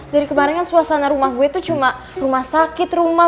dari kemarin kan suasana rumah gue itu cuma rumah sakit rumah